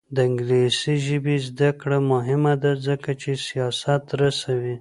د انګلیسي ژبې زده کړه مهمه ده ځکه چې سیاست رسوي.